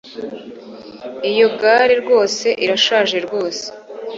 iyo gare rwose irashaje rwose